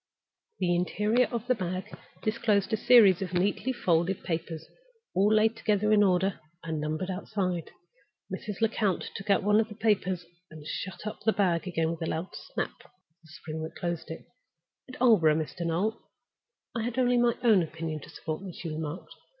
The interior of the bag disclosed a series of neatly folded papers, all laid together in order, and numbered outside. Mrs. Lecount took out one of the papers, and shut up the bag again with a loud snap of the spring that closed it. "At Aldborough, Mr. Noel, I had only my own opinion to support me," she remarked.